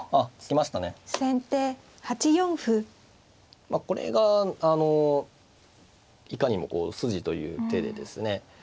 まあこれがあのいかにも筋という手でですね